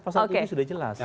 pasal tujuh sudah jelas